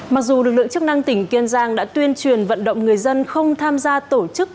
mặc dù lực lượng chức năng tỉnh kiên giang đã tuyên truyền vận động người dân không tham gia tổ chức